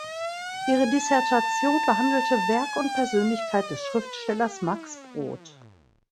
Ihre Dissertation behandelte Werk und Persönlichkeit des Schriftstellers Max Brod.